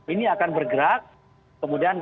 ini akan bergerak kemudian